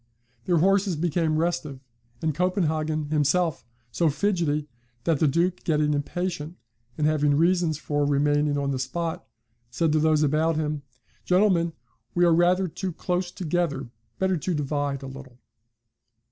Their horses became restive and 'Copenhagen' himself so fidgetty, that the Duke, getting impatient, and having reasons for remaining on the spot, said to those about him, 'Gentlemen we are rather too close together better to divide a little.'